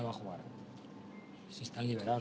bagaimana yang tidak diberikan